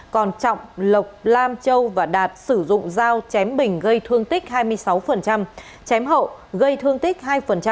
còn trọng lộc lam châu và đạt sử dụng dao chém bình gây thương tích hai mươi sáu chém hậu gây thương tích hai